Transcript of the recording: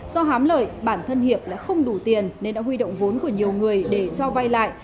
do hám lợi bản thân hiệp lại không đủ tiền nên đã huy động vốn của nhiều người để cho vay lại